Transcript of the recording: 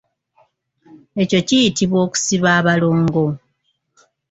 Ekyo kiyitibwa okusiba abolongo.